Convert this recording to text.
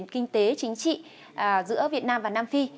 kinh tế chính trị giữa việt nam và nam phi